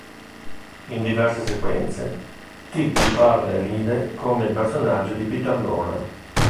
In diverse sequenze, Titti parla e ride come il personaggio di Peter Lorre.